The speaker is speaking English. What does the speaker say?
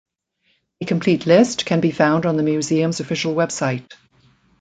A complete list can be found on the museum's official website.